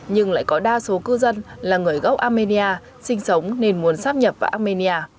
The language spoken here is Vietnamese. nhưng lại có đa số cư dân là người gốc armenia sinh sống nên muốn sắp nhập vào armenia